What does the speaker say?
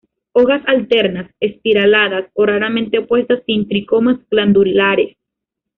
Hojas alternas, espiraladas o raramente opuestas, sin tricomas glandulares.